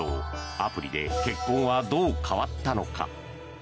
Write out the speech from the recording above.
アプリで結婚はどう変わったのか。